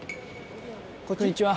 こんにちは。